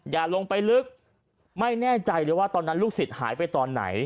อย่าลงไปลึกไม่แน่ใจเลยว่าตอนนั้นลูกศิษย์หายไปตอนไหน